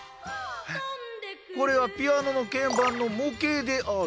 これはピアノのけん盤の模型である。